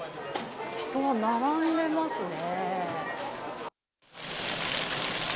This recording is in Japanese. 人が並んでいますね。